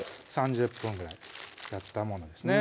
３０分ぐらいやったものですね